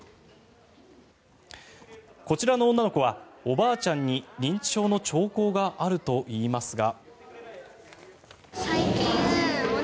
こちらの女の子はおばあちゃんに認知症の兆候があるといいますが。